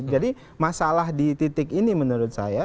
jadi masalah di titik ini menurut saya